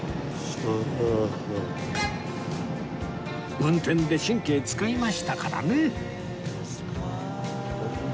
運転で神経使いましたからね